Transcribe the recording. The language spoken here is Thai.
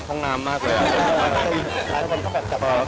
ตอนนี้ก็ถามสัมภัณฑ์กับพี่อ้าว